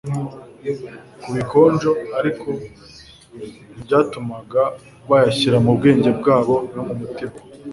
ku bikonjo, ariko ntibyatumaga bayashyira mu bwenge bwabo no mu mutima.